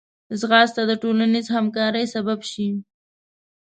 ځغاسته د ټولنیز همکارۍ سبب شي